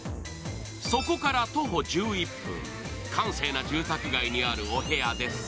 そこから徒歩１１分、閑静な住宅街にあるお部屋です。